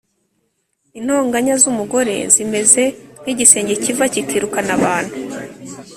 Intonganya z’umugore zimeze nk’igisenge kiva kikirukana abantu